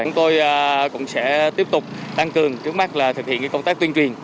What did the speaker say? chúng tôi cũng sẽ tiếp tục tăng cường trước mắt là thực hiện công tác tuyên truyền